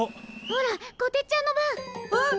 ほらこてっちゃんの番！わあ！